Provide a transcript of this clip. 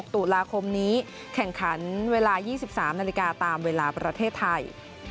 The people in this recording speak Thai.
ตุลาคมนี้แข่งขันเวลา๒๓นาฬิกาตามเวลาประเทศไทย